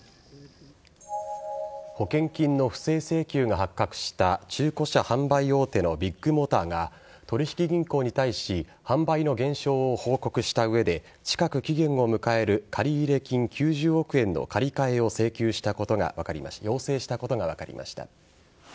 保険金の不正請求が発覚した中古車販売大手のビッグモーターが取引銀行に対し販売の減少を報告した上で近く期限を迎える借入金９０億円の借り換えを要請したことが分かりました。